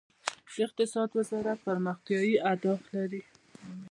د اقتصاد وزارت پرمختیايي اهداف لري؟